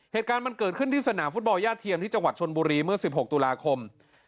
เหตุการณ์มันเกิดขึ้นที่สนามฟุตบอลย่าเทียมที่จังหวัดชนบุรีเมื่อ๑๖ตุลาคม